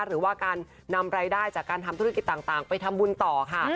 หรือว่าการนำรายได้จากการทำธุรกิจต่างไปทำบุญต่อค่ะ